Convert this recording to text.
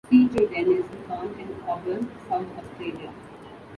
C. J. Dennis was born in Auburn, South Australia.